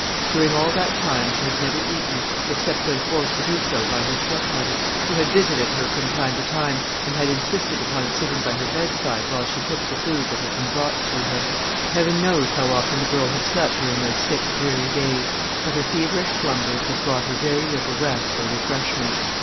During all that time she had never eaten, except when forced to do so by her stepmother; who had visited her from time to time, and had insisted upon sitting by her bedside while she took the food that had been brought to her. Heaven knows how often the girl had slept during those six dreary days; but her feverish slumbers had brought her very little rest or refreshment.